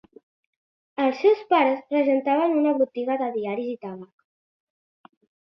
Els seus pares regentaven una botiga de diaris i tabac.